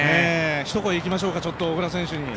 一声いきましょうか、小椋選手に。